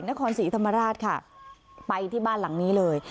นครศรีธรรมราชค่ะไปที่บ้านหลังนี้เลย